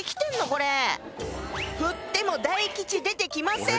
これ振っても大吉出てきません